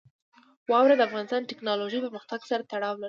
واوره د افغانستان د تکنالوژۍ پرمختګ سره تړاو لري.